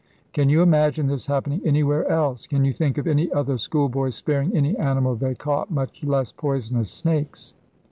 Can you imagine this happening anywhere else? Can you think of any other schoolboys sparing any animal they caught, much less poisonous snakes?